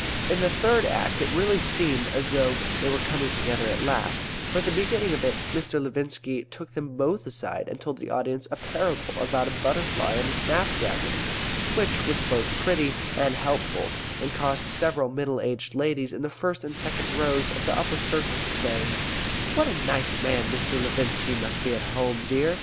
In the Third Act it really seemed as though they were coming together at last; for at the beginning of it Mr. Levinski took them both aside and told the audience a parable about a butterfly and a snap dragon, which was both pretty and helpful, and caused several middle aged ladies in the first and second rows of the upper circle to say, "What a nice man Mr. Levinski must be at home, dear!"